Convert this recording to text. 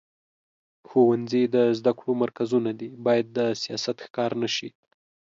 ښوونځي د زده کړو مرکزونه دي، باید د سیاست ښکار نه شي.